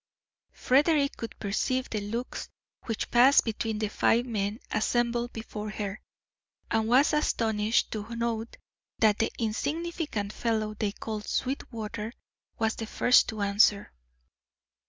Frederick could perceive the looks which passed between the five men assembled before her, and was astonished to note that the insignificant fellow they called Sweetwater was the first to answer.